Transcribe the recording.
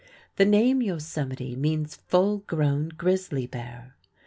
The name Yosemite means "full grown grizzly bear."